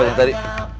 apa yang tadi